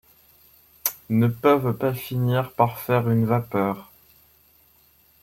Ne peuvent pas finir par faire une vapeur.